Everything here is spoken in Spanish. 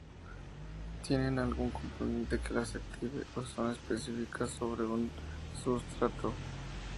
Tienen algún componente que las active o son específicas sobre un sustrato.